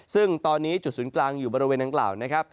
ซึ่งตอนนี้จุดศูนย์กลางอยู่บริเวณดังกล่าวนะครับ